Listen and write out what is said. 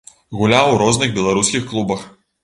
Гуляў у розных беларускіх клубах.